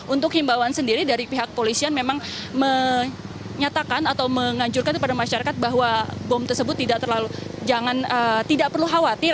untuk himbauan sendiri dari pihak polisian memang menyatakan atau menganjurkan kepada masyarakat bahwa bom tersebut tidak perlu khawatir